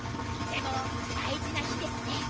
とても大事な日ですね。